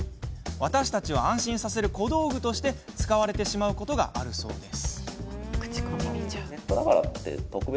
私たちを安心させる小道具として使われてしまっているそうです。